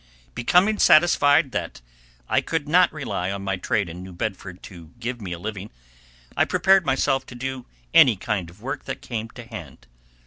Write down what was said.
Becoming satisfied that I could not rely on my trade in New Bedford to give me a living, I prepared myself to do any kind of work that came to hand.